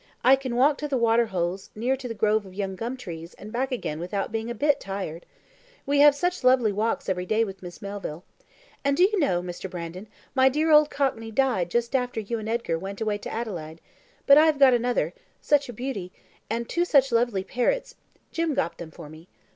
I can walk to the water holes near the grove of young gum trees and back again without being a hit tired. We have such lovely walks every day with Miss Melville. And do you know Mr. Brandon, my dear old Cockey died just after you and Edgar went away to Adelaide; but I have got another such a beauty and two such lovely parrots. Jim got them for me.